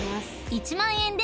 ［１万円で］